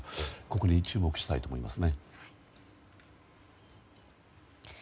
ここに注目したいと思います。